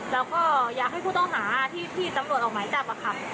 แล้วก็อยากให้ผู้ต้องหาที่ตำรวจออกหมายจับค่ะ